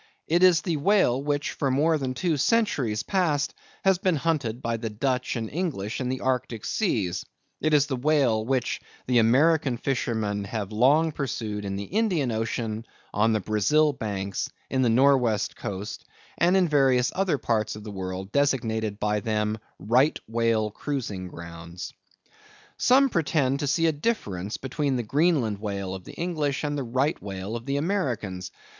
It is the whale which for more than two centuries past has been hunted by the Dutch and English in the Arctic seas; it is the whale which the American fishermen have long pursued in the Indian ocean, on the Brazil Banks, on the Nor' West Coast, and various other parts of the world, designated by them Right Whale Cruising Grounds. Some pretend to see a difference between the Greenland whale of the English and the right whale of the Americans.